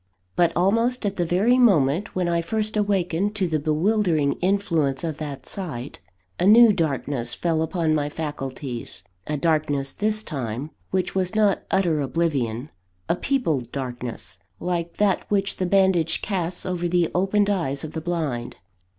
But, almost at the very moment when I first awakened to the bewildering influence of that sight, a new darkness fell upon my faculties a darkness, this time, which was not utter oblivion; a peopled darkness, like that which the bandage casts over the opened eyes of the blind.